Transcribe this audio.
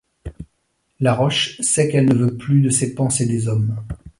La roche sait qu’elle ne veut plus de ces pensées des hommes.